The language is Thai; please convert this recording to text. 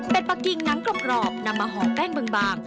เป็นปลากิ่งหนังกรอบนำมาห่อแป้งบาง